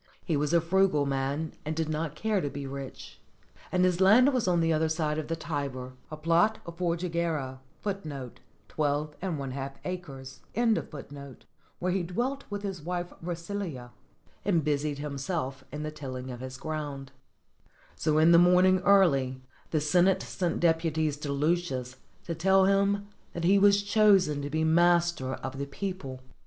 He was a frugal man, and did not care to be rich; and his land was on the other side of the Tiber, a plot of iourjugera ^ where he dwelt with his wife Raciha, and busied himself in the tilHng of his ground. So in the morning early the Senate sent deputies to Lucius to tell him that he was chosen to be master of the people.